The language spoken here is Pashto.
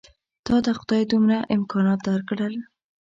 تاته خدای دومره امکانات درکړل.